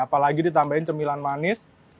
apalagi ditambahin cemilan manis